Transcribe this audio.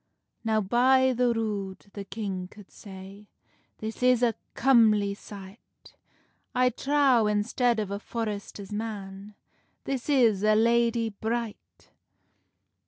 "Now, by the rood," the king coud say, "This is a comely sight; I trow, instead of a forrester's man, This is a lady bright!"